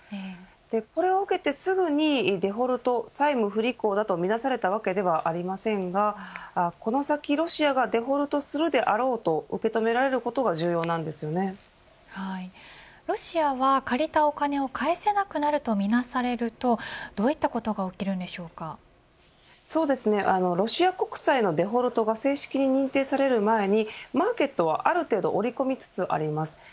これを受けてすぐにデフォルト債務不履行だとみなされたわけではありませんがこの先、ロシアがデフォルトするであろうとロシアは、借りたお金を返せなくなるとみなされるとどういったことがロシア国債のデフォルトが正式に認定される前にマーケットはある程度織り込みつつあります。